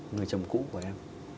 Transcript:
người chồng cũ của em